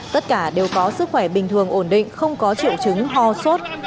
tất cả đều có sức khỏe bình thường ổn định không có triệu chứng ho sốt